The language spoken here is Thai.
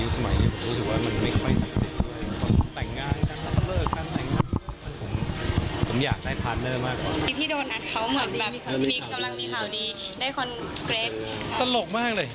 สำหรับเรามากกว่า